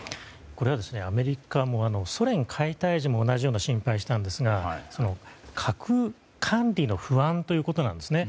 これはアメリカもソ連解体時も同じような心配をしたんですが核管理の不安ということなんですね。